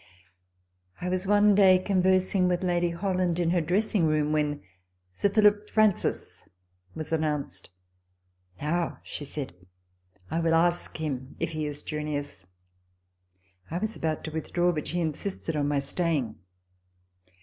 I was one day conversing with Lady Holland in her dressing room, when Sir Philip Francis was announced. " Now," she said, " I will ask him if he is Junius." I was about to withdraw ; but she insisted on my staying.